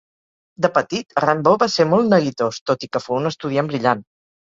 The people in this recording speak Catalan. De petit, Rimbaud va ser molt neguitós, tot i que fou un estudiant brillant.